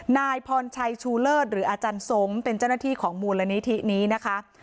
นายพรชัยชูเลิศหรืออาจารย์ทรงเป็นเจ้าหน้าที่ของมูลนิธินี้นะคะ